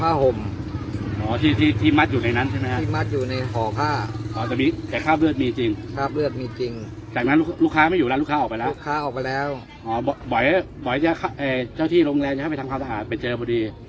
อาทางบ๋อยเข้าไปตรวจสอบเจอวัตถุต้องใสเป็นศพ